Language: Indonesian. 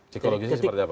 psikologis itu seperti apa